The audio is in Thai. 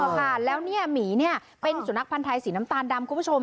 ค่ะแล้วเนี่ยหมีเนี่ยเป็นสุนัขพันธ์ไทยสีน้ำตาลดำคุณผู้ชม